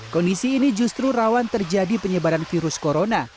kondisi ini justru rawan terjadi penyebaran virus corona